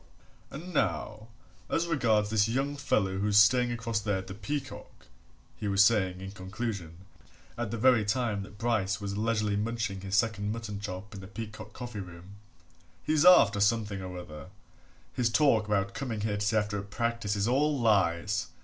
"And now as regards this young fellow who's staying across there at the Peacock," he was saying in conclusion, at the very time that Bryce was leisurely munching his second mutton chop in the Peacock coffee room, "he's after something or other his talk about coming here to see after a practice is all lies!